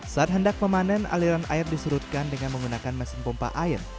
saat hendak memanen aliran air disurutkan dengan menggunakan mesin pompa air